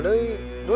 dulu kan di obrakam